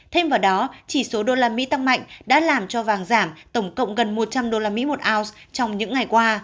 thêm vào đó chỉ số usd tăng mạnh đã làm cho vàng giảm tổng cộng gần một trăm linh usd một ounce trong những ngày qua